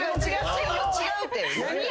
違うって。何？